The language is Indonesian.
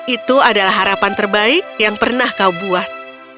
itu adalah harapan terbaik yang pernah kau buat